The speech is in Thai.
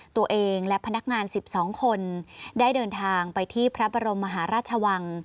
ตัวเองและพนักงาน๑๒คนได้เดินทางไปที่พระบรมมหาราชวัง